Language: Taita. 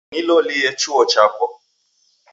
Kunilolie chuo chapo